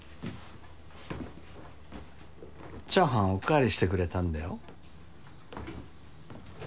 チャーハンおかわりしてくれたんだよ